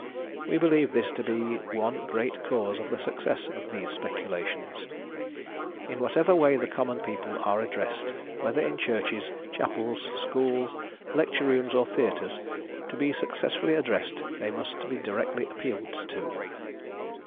We believe this to be one great cause of the success of these speculations. In whatever way the common people are addressed, whether in churches, chapels, schools, lecture rooms, or theatres, to be successfully ad dressed they must be directly appealed to.